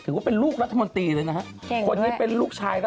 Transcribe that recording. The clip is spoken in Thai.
ถือว่าเป็นลูกรัฐมนตรีเลยนะฮะ